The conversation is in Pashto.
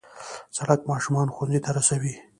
سړک ماشومان ښوونځي ته رسوي.